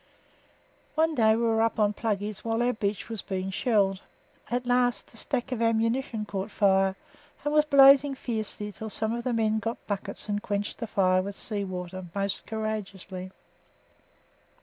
One day we were up on "Pluggey's" while our beach was being shelled; at last the stack of ammunition caught fire and was blazing fiercely until some of the men got buckets and quenched the fire with sea water most courageously.